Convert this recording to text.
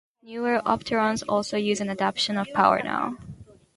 Newer Opterons also use an adaptation of PowerNow!